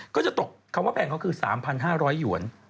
ก็จะตกคำว่าแพงเขาคือ๓๕๐๐หยวน